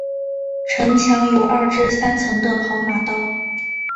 城墙有二至三层的跑马道。